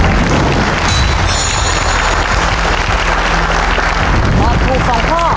รับทุน๒ข้อ